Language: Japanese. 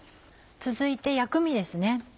続いて薬味ですね。